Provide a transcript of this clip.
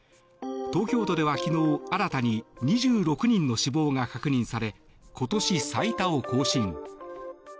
東京都では、昨日新たに２６人の死亡が確認され今年最多を更新。